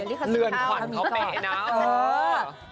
เออเหลือนขวัญเขาเป๊ะนะ